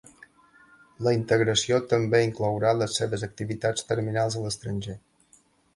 La integració també inclourà les seves activitats terminals a l'estranger.